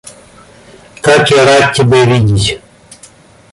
Как я рад тебя видеть!